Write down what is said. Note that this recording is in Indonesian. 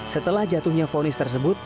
setelah jatuhnya fonis tersebut